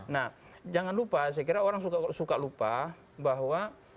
nah jangan lupa saya kira orang suka lupa bahwa